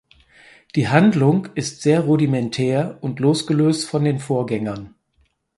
Die Handlung ist sehr rudimentär und losgelöst von den Vorgängern.